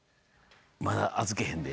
まだ預けへんで。